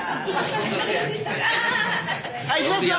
はいいきますよ